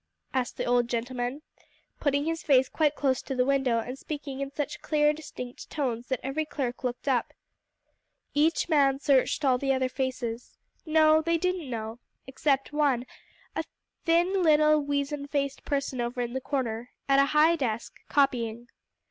asked the old gentleman, putting his face quite close to the window, and speaking in such clear, distinct tones that every clerk looked up. Each man searched all the other faces. No, they didn't know; except one, a little, thin, weazen faced person over in the corner, at a high desk, copying.